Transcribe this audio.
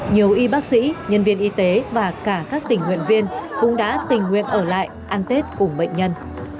nhiều y bác sĩ nhân viên y tế và cả các tình nguyện viên cũng đã tình nguyện ở lại ăn tết cùng bệnh nhân